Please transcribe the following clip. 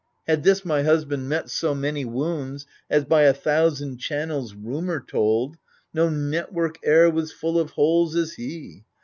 Had this my husband met so many wounds, As by a thousand channels rumour told, No network e'er was full of holes as he.